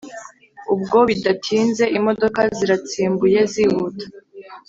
ubwo bidatinze imodoka zaratsimbuye zihuta